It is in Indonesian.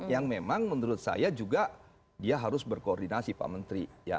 yang memang menurut saya juga dia harus berkoordinasi pak menteri